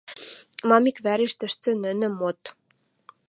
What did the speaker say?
Мам иквӓреш тӹштӹ нӹнӹ мот?